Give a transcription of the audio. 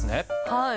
はい。